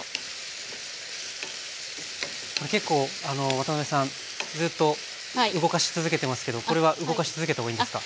これ結構ワタナベさんずっと動かし続けてますけどこれは動かし続けたほうがいいんですか？